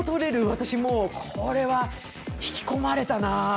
私、これ引き込まれたな。